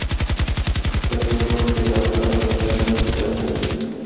په دې ورکړې د خدای شکرانې په ځای کوي.